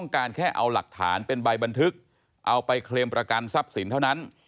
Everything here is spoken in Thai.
การแค่เอาหลักฐานเป็นใบบันทึกเอาไปเคลมประกันทรัพย์สินเท่านั้น